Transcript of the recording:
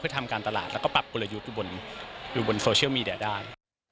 เพื่อทำการตลาดแล้วก็ปรับกลยุทธ์อยู่บนโซเชียลมีเดียได้